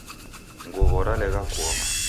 Nguw'o ralegha kuoma